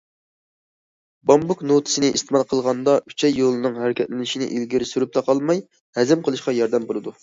بامبۇك نوتىسىنى ئىستېمال قىلغاندا ئۈچەي يولىنىڭ ھەرىكەتلىنىشنى ئىلگىرى سۈرۈپلا قالماي، ھەزىم قىلىشقا ياردىمى بولىدۇ.